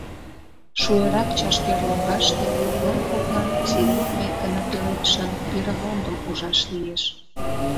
Шуэрак чашкер лоҥгаште коклан-коклан сирень гай кына пеледышан пирывондым ужаш лиеш.